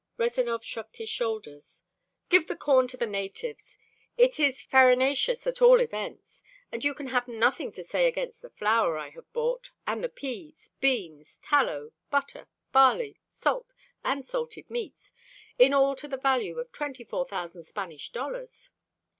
Rezanov shrugged his shoulders. "Give the corn to the natives. It is farinaceous at all events. And you can have nothing to say against the flour I have brought, and the peas, beans, tallow, butter, barley, salt, and salted meats in all to the value of twenty four thousand Spanish dollars."